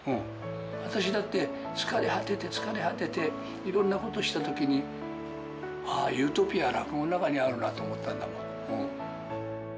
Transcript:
私だって、疲れ果てて疲れ果てて、いろんなことしたときに、ああ、ユートピアは落語の中にあるなと思ったもん。